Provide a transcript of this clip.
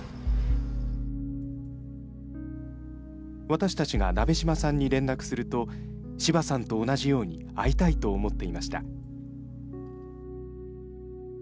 私たちが鍋島さんに連絡すると、柴さんと同じように会いたいと思っていました。